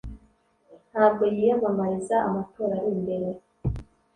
Ntabwo yiyamamariza amatora ari imbere